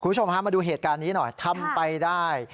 คุณผู้ชมฮะมาดูเหตุการณ์นี้หน่อยทำไปได้